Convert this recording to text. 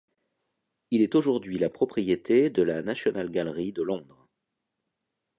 Il est aujourd’hui la propriété de la National Gallery de Londres.